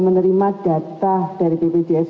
menerima data dari ppjs